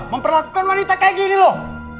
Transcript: memperlakukan wanita kayak gini loh